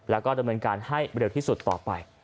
แล้วก็ดำเนินการให้บริต่อไป